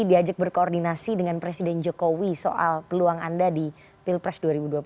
diajak berkoordinasi dengan presiden jokowi soal peluang anda di pilpres dua ribu dua puluh empat